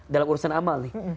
dalam urusan amal nih